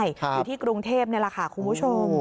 อยู่ที่กรุงเทพนี่แหละค่ะคุณผู้ชม